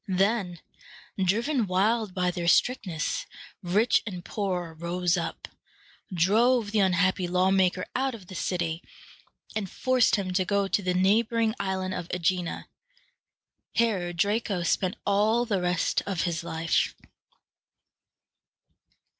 Then, driven wild by their strictness, rich and poor rose up, drove the unhappy lawmaker out of the city, and forced him to go to the neighboring Island of Æ gi´na. Here Draco spent all the rest of his life.